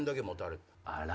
あら？